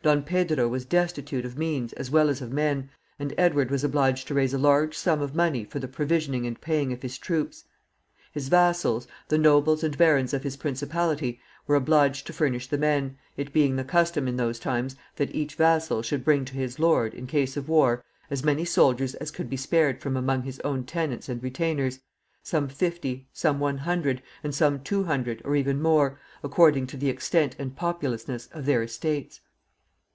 Don Pedro was destitute of means as well as of men, and Edward was obliged to raise a large sum of money for the provisioning and paying of his troops. His vassals, the nobles and barons of his principality, were obliged to furnish the men, it being the custom in those times that each vassal should bring to his lord, in case of war, as many soldiers as could be spared from among his own tenants and retainers some fifty, some one hundred, and some two hundred, or even more, according to the extent and populousness of their estates.